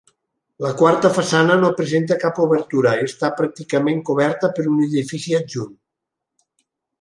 La quarta façana no presenta cap obertura i està pràcticament coberta per un edifici adjunt.